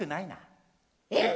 えっ！